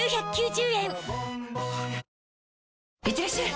いってらっしゃい！